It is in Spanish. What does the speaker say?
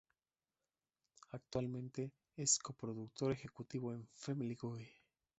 Actualmente es co-productor ejecutivo en "Family Guy".